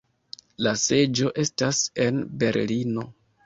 La seĝo estas en Berlino.